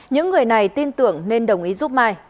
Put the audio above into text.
những người này tin tưởng nên đồng ý giúp mai